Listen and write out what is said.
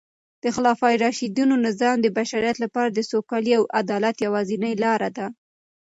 د خلفای راشدینو نظام د بشریت لپاره د سوکالۍ او عدالت یوازینۍ لاره ده.